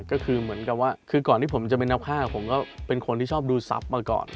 ก็คือเหมือนกับว่าคือก่อนที่ผมจะเป็นนับ๕ผมก็เป็นคนที่ชอบดูทรัพย์มาก่อน